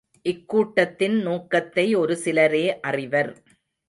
இக்கூட்டத்தின் நோக்கத்தை ஒரு சிலரே அறிவர்.